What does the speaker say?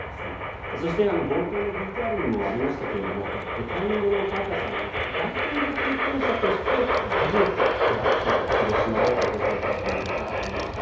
そして、冒頭のＶＴＲにもありましたけれども退任後のカーターさんが大統領経験者として初めて被爆地の広島を訪れた映像がありました。